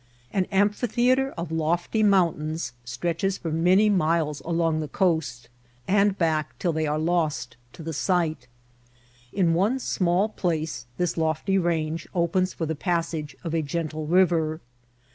An amphitheatre of lofty mountains stretches for many miles along the coast, and back till they are lost to the sight. In one small place this lofty range opens for the passage of a gentle river.